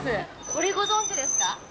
これ、ご存じですか？